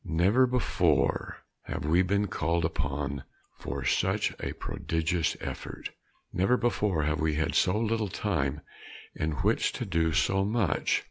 Never before have we been called upon for such a prodigious effort. Never before have we had so little time in which to do so much.